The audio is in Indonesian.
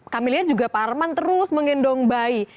kami lihat juga pak arman terus menggendong bayi